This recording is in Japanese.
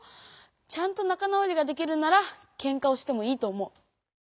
ちゃんと仲直りができるならケンカをしてもいいと思う。